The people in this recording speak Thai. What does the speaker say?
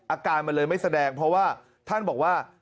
อาการมันเลยไม่แสดงเพราะว่าท่านบอกว่า